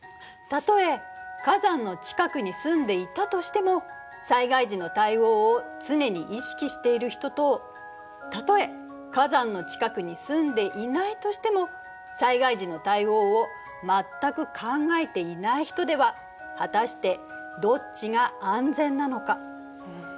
たとえ火山の近くに住んでいたとしても災害時の対応を常に意識している人とたとえ火山の近くに住んでいないとしても災害時の対応を全く考えていない人では果たしてどっちが安全なのか。